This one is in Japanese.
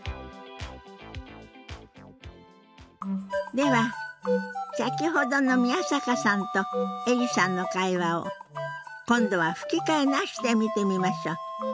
では先ほどの宮坂さんとエリさんの会話を今度は吹き替えなしで見てみましょう。